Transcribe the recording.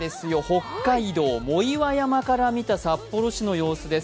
北海道藻岩山から見た、札幌市の様子です。